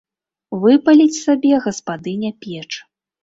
Выпаліць сабе гаспадыня печ.